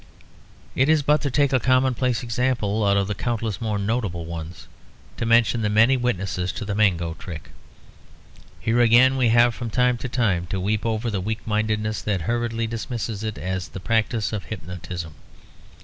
It is but to take a commonplace example out of countless more notable ones to mention the many witnesses to the mango trick. Here again we have from time to time to weep over the weak mindedness that hurriedly dismisses it as the practice of hypnotism.